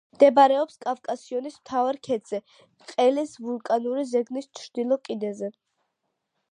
მდებარეობს კავკასიონის მთავარ ქედზე, ყელის ვულკანური ზეგნის ჩრდილო კიდეზე.